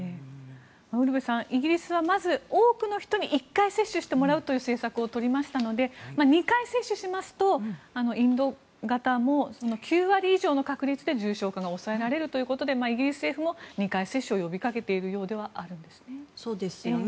ウルヴェさんイギリスはまず多くの人に１回接種してもらうという政策を取りましたので２回接種しますとインド型も９割以上の確率で重症化が抑えられるということでイギリス政府も２回接種を呼びかけているようではあるんですよね。